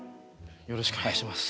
よろしくお願いします。